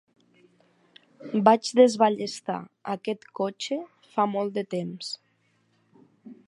Vaig desballestar aquest cotxe fa molt de temps.